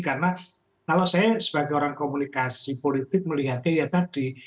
karena kalau saya sebagai orang komunikasi politik melihatnya ya tadi